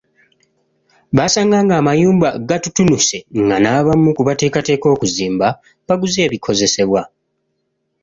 Baasanga ng’amayumba gatutunuse nga n’abamu ku bateekateeka okuzimba baguze ebikozesebwa.